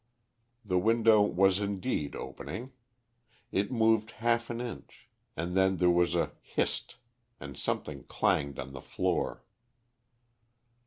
The window was indeed opening. It moved half an inch, and then there was a "hist," and something clanged on the floor.